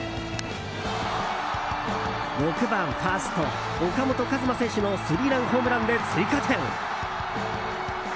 ６番ファースト岡本和真選手のスリーランホームランで追加点。